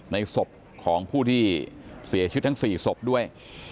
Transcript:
ในศพของผู้ที่เสียชีวิตทั้ง๔ศพด้วย